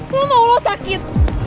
lu mau lu sakit